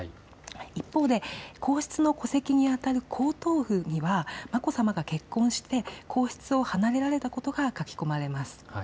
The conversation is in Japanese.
一方で皇室の戸籍にあたる皇統譜には眞子さまが結婚して皇室を離れられたことが書き込まれます。